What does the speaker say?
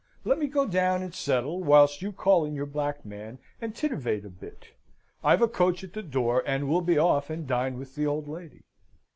Let me go down and settle whilst you call in your black man and titivate a bit. I've a coach at the door, and we'll be off and dine with the old lady."